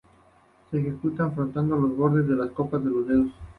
Se ejecuta frotando los bordes de las copas con los dedos.